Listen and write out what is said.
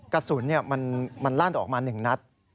กระสุนมันลั่นออกมา๑นัด